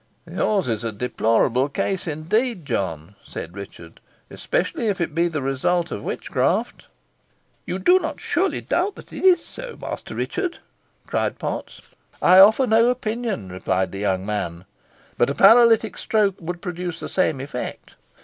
"Yours is a deplorable case indeed, John," said Richard "especially if it be the result of witchcraft." "You do not surely doubt that it is so, Master Richard?" cried Potts. "I offer no opinion," replied the young man; "but a paralytic stroke would produce the same effect.